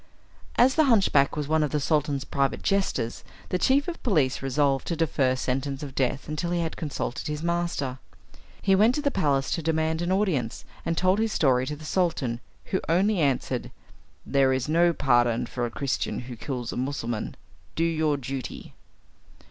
As the hunchback was one of the Sultan's private jesters, the chief of police resolved to defer sentence of death until he had consulted his master. He went to the palace to demand an audience, and told his story to the Sultan, who only answered, "There is no pardon for a Christian who kills a Mussulman. Do your duty."